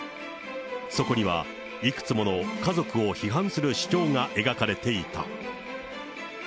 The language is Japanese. そこには、いくつもの家族を批判する主張が描かれていた。